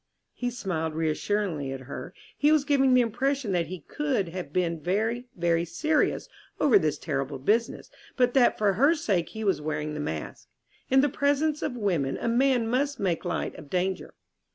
He smiled reassuringly at her. He was giving the impression that he could have been very, very serious over this terrible business, but that for her sake he was wearing the mask. In the presence of women a man must make light of danger.